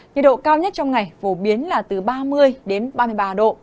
nhiệt độ cao nhất trong ngày phổ biến là từ ba mươi đến ba mươi ba độ